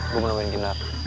gua mau nemuin kinan